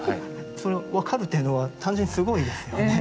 それを分かるっていうのは単純にすごいですよね。